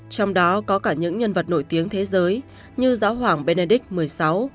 trong đó có cả những nhân vật nổi tiếng thế giới như giáo hoàng benedict xvi